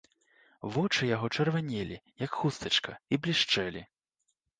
Вочы яго чырванелі, як хустачка, і блішчэлі.